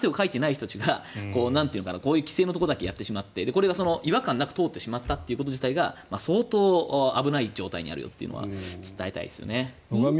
そこに対して汗をかいてない人たちが規制のところだけやってしまってこれが違和感なく通ってしまったということが相当危ない状態にあるよというのは伝えたいですよね。